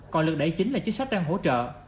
còn lực đải chính là chính sách đang hỗ trợ